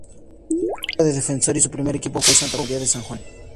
Juega de defensor y su primer equipo fue San Martín de San Juan.